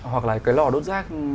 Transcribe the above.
hoặc là cái lò đốt rác